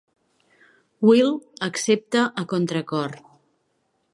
Will accepta a contracor.